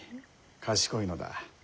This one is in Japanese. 賢いのだ。